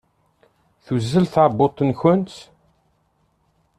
Tuzzel tɛebbuḍt-nkent?